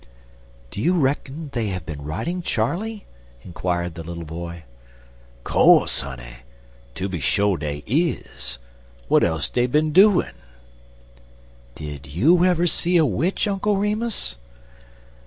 "Do you reckon they have been riding Charley?" inquired the little boy. "Co'se, honey. Tooby sho dey is. W'at else dey bin doin'?" "Did you ever see a witch, Uncle Remus?"